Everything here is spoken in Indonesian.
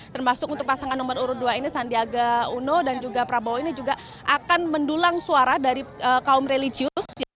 termasuk untuk pasangan nomor urut dua ini sandiaga uno dan juga prabowo ini juga akan mendulang suara dari kaum religius